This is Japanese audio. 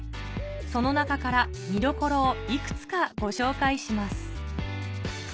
その中から見どころをいくつかご紹介します